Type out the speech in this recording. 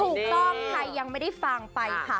ถูกต้องใครยังไม่ได้ฟังไปค่ะ